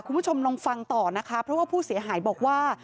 คุณผู้ชมลองฟังต่อนะคะเพราะว่าผู้เสียหายบอกว่า